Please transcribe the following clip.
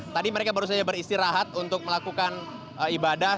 tadi mereka baru saja beristirahat untuk melakukan ibadah